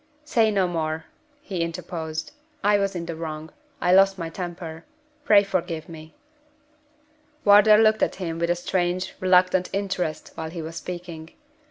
"Say no more," he interposed. "I was in the wrong I lost my temper. Pray forgive me." Wardour looked at him with a strange, reluctant interest while he was speaking.